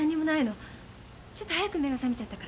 ちょっと早く目が覚めちゃったから待ってた。